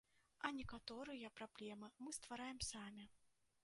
А некаторыя праблемы мы ствараем самі.